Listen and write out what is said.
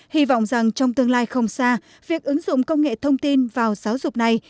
hy vọng rằng trong tương lai không xa việc ứng dụng công nghệ thông tin vào giáo dục này